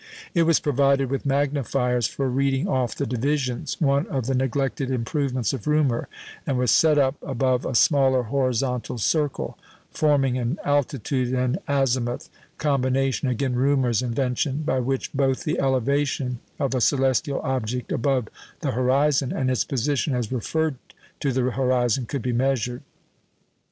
It was provided with magnifiers for reading off the divisions (one of the neglected improvements of Römer), and was set up above a smaller horizontal circle, forming an "altitude and azimuth" combination (again Römer's invention), by which both the elevation of a celestial object above the horizon and its position as referred to the horizon could be measured.